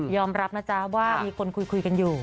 อมรับนะจ๊ะว่ามีคนคุยกันอยู่